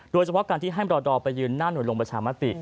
โดยเฉพาะการที่ให้มรดอลไปยืนหน้าหน่วยลงประชามติ